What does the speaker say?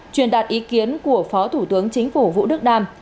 truyền đạt ý kiến của phó thủ tướng chính phủ vũ đức đam